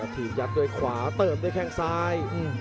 ทีมยับโดยขวาเติมโดยแค่งซ้าย